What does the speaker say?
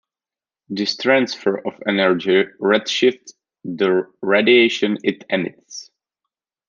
This transfer of energy redshifts the radiation it emits.